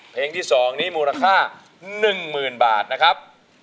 เพลงที่๒นี้มูลค่า๑๐๐๐บาทนะครับ